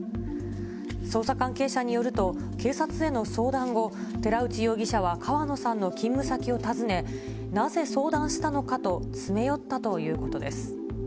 捜査関係者によると、警察への相談後、寺内容疑者は川野さんの勤務先を訪ね、なぜ相談したのかと詰め寄ったということです。